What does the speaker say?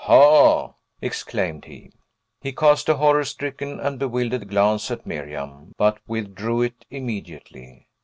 "Ha!" exclaimed he. He cast a horror stricken and bewildered glance at Miriam, but withdrew it immediately.